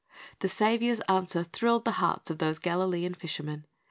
The Saviour's answer thrilled the hearts of those Galilean fishermen.